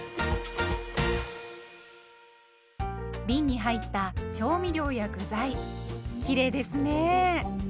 びんに入った調味料や具材きれいですね。